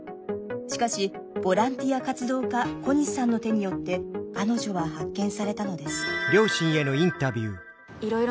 しかしボランティア活動家小西さんの手によって彼女は発見されたのです」。